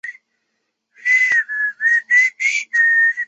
吉尔吉斯足球协会是专门管辖吉尔吉斯足球事务的组织。